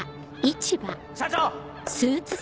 ・社長！